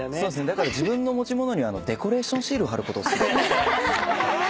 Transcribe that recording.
だから自分の持ち物にはデコレーションシールはることをおすすめします。